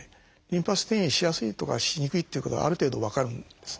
リンパ節に転移しやすいとかしにくいってことがある程度分かるんですね。